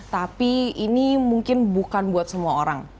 tapi ini mungkin bukan buat semua orang